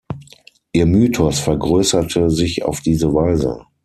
Ihr Mythos vergrößerte sich auf diese Weise.